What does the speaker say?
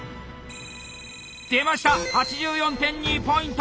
出ました８４．２ポイント！